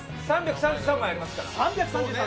３３３枚ありますから。